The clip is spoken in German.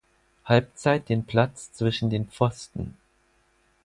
Halbzeit den Platz zwischen den Pfosten.